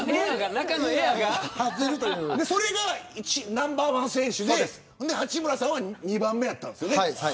それがナンバーワン選手で八村さんは２番目だったんです。